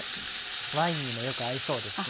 ワインにもよく合いそうですね。